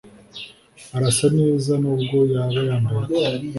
arasa neza nubwo yaba yambaye iki